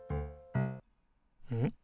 うん？